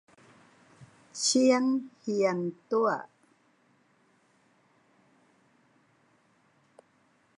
เชียงเฮียงตั้ว